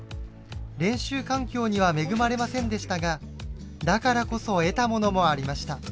練習環境には恵まれませんでしたがだからこそ得たものもありました。